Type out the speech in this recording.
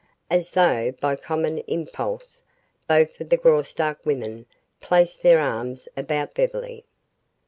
As though by common impulse, both of the Graustark women placed their arms about Beverly.